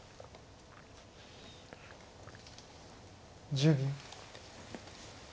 １０秒。